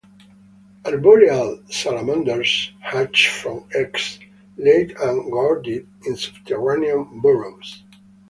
Arboreal Salamanders hatch from eggs laid and guarded in subterranean burrows.